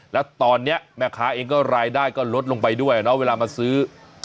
แล้วตอนนี้แม่ค้าเองก็รายได้ก็ลดลงไปด้วยเนาะเวลามาซื้อ